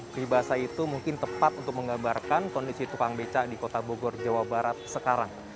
free basah itu mungkin tepat untuk menggambarkan kondisi tukang beca di kota bogor jawa barat sekarang